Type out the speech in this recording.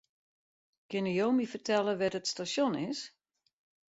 Kinne jo my fertelle wêr't it stasjon is?